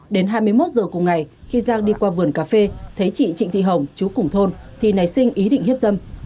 đến hai mươi một giờ cùng ngày khi giang đi qua vườn cà phê thấy chị trịnh thị hồng chú cùng thôn thì nảy sinh ý định hiếp dâm